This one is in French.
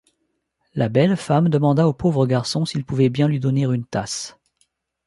La belle femme demanda au pauvre garçon s'il pouvait bien lui donner une tasse.